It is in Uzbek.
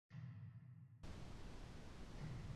Yangi markaz yoshlarning muvaffaqiyat uyiga aylanadi